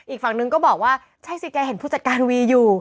อีกฝั่งนึงก็บอกว่าใช่สิแกเห็นผู้จัดการวีอยู่